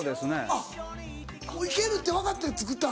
あっいけるって分かって作ったん？